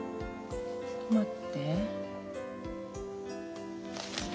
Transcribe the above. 待って。